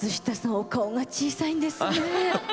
お顔が小さいんですね。